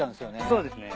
そうですね。